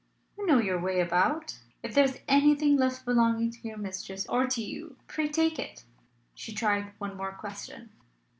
"You know your way about. If there is anything left belonging to your mistress or to you, pray take it." She tried one more question.